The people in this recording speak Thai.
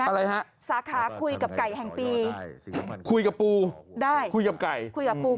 อะไรฮะสาขาคุยกับไก่แห่งปีใช่คุยกับปูได้คุยกับไก่คุยกับปู